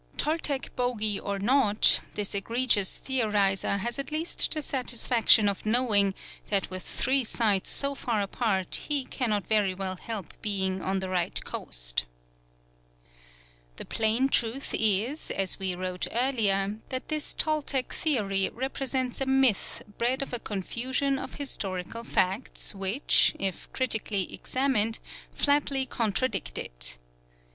Toltec bogy or not, this egregious theoriser has at least the satisfaction of knowing that with three sites so far apart he cannot very well help being on the right coast. The plain truth is, as we wrote earlier, that this Toltec theory represents a myth bred of a confusion of historical facts which, if critically examined, flatly contradict it.